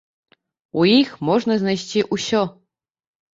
У іх можна знайсці ўсё.